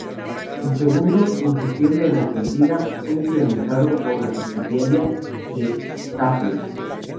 El segundo, en septiembre en Argentina, fue implementado por la subsidiaria de Staples.